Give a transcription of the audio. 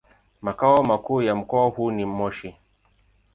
Makao makuu ya mkoa huu ni Moshi.